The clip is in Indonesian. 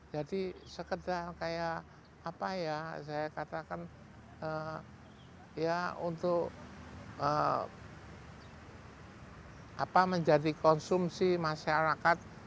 jadi sekedar kayak apa ya saya katakan ya untuk menjadi konsumsi masyarakat